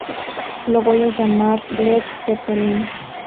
Lo voy a llamar" Led Zeppelin.